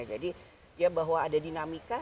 jadi ya bahwa ada dinamika